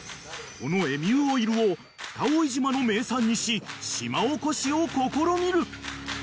このエミューオイルを蓋井島の名産にし島おこしを試みる］